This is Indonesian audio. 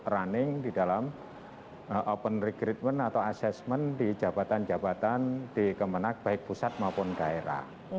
running di dalam open recretment atau assessment di jabatan jabatan di kemenang baik pusat maupun daerah